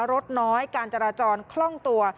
รถน้อยการจราจรคล่องตัว